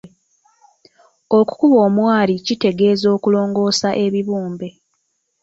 Okukuba omwari kitegeeza okulongoosa ebibumbe.